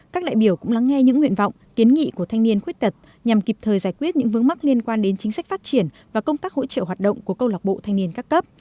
các đại biểu cũng lắng nghe những nguyện vọng kiến nghị của thanh niên khuyết tật nhằm kịp thời giải quyết những vướng mắc liên quan đến chính sách phát triển và công tác hỗ trợ hoạt động của câu lạc bộ thanh niên các cấp